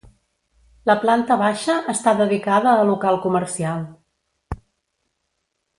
La planta baixa està dedicada a local comercial.